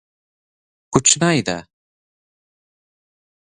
کوچنی ده.